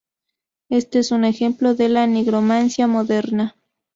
Este es un ejemplo de nigromancia moderna.